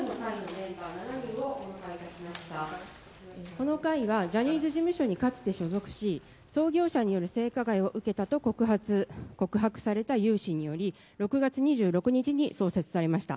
この回はジャニーズ事務所にかつて所属し創業者による性加害を受けたと告発された方たちにより６月２６日に創設されました。